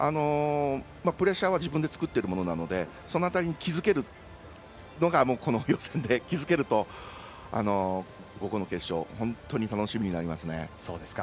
プレッシャーは自分で作っているものなのでその辺りがこの予選で気付けると午後の決勝は本当に楽しみになりますね。